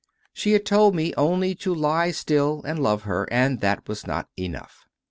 She had told me only to lie still and love her, and that was not enough.